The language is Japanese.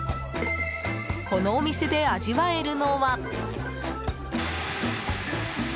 このお店で味わえるのは。